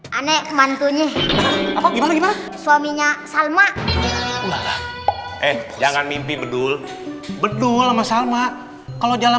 hai aneh mantunya gimana gimana suaminya salma eh jangan mimpi bedul bedul sama salma kalau jalan